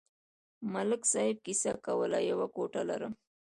ملک صاحب کیسه کوله: یوه کوټه لرم.